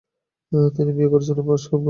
তিনি বিয়ে করেছিলেন প্রসকোভিয়া ফিয়োদরোভনাকে।